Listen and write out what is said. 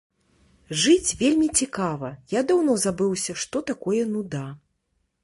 Жыць вельмі цікава, я даўно забыўся, што такое нуда.